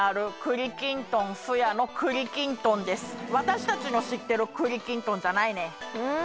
私たちの知ってる栗きんとんじゃないね。